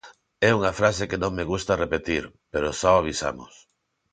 É unha frase que non me gusta repetir, pero xa o avisamos.